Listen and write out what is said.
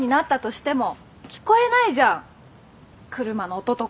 車の音とか。